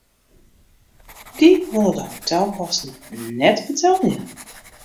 Dy wolle de hotelkosten net betelje.